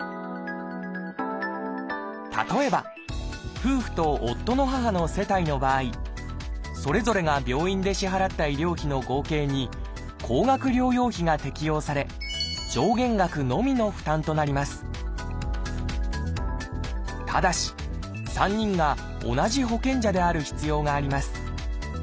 例えば夫婦と夫の母の世帯の場合それぞれが病院で支払った医療費の合計に高額療養費が適用され上限額のみの負担となりますただし３人が同じ保険者である必要があります